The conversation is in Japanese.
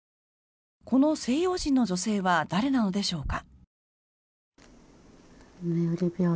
この西洋人の女性は誰なのでしょうか。